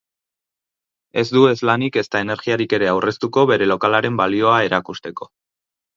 Ez du ez lanik ezta energiarik ere aurreztuko bere lokalaren balioa erakusteko.